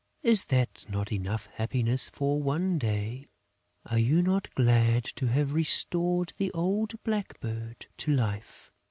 Is that not enough happiness for one day? Are you not glad to have restored the old blackbird to life?